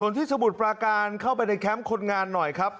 ส่วนที่สมุทรปราการเข้าไปในแคมป์คนงานหน่อยครับ